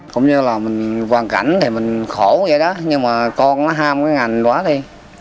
cũng như là mình hoàn cảnh thì mình khổ vậy đó nhưng mà con nó ham cái ngành quá đi